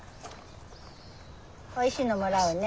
おいしいのもらおうね。